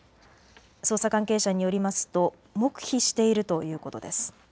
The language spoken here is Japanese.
捜査関係者によりますと黙秘しているということです。